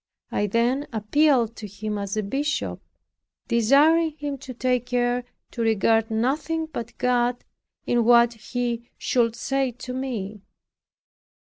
I then appealed to him, as a bishop, desiring him to take care to regard nothing but God in what he should say to me.